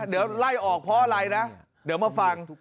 เดี๋ยวไล่ออกเพราะอะไรนะเดี๋ยวมาฟัง